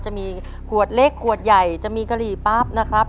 จะมีขวดเล็กขวดใหญ่จะมีกะหรี่ปั๊บนะครับ